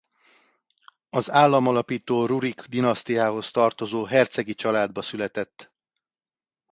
Az államalapító Rurik-dinasztiához tartozó hercegi családba született.